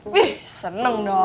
wih seneng dong